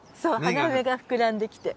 花芽が膨らんできて。